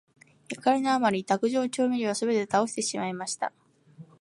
怒りのあまり、卓上調味料をすべて倒してしまいました。